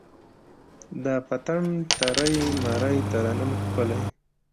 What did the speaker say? د پتڼ ترۍ، مرۍ ترنم ښکلی